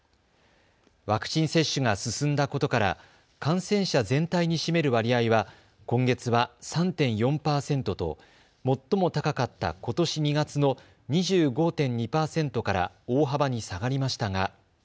ワクチン接種が進んだことから感染者全体に占める割合は今月は３．４％と最も高かったことし２月の２５．２％から大幅に下がりましたが。